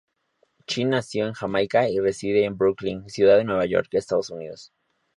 Chin nació en Jamaica y reside en Brooklyn, ciudad de Nueva York, Estados Unidos.